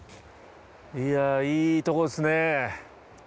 いやいいとこですね。